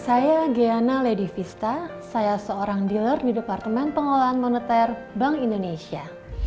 saya diana lady vista saya seorang dealer di departemen pengelolaan moneter bank indonesia